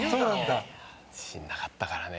自信なかったからね。